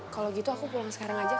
kalau gitu aku pulang sekarang aja